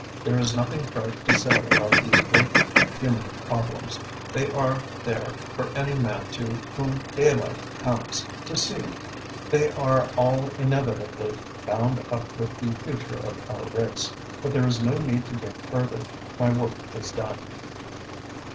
There is nothing fresh to say about these great human problems. They are there for any man to whom daylight comes, to see. They are all inevitably bound up with the future of our race, but there is no need to dig further. My work is done."